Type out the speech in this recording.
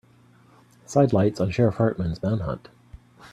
Sidelights on Sheriff Hartman's manhunt.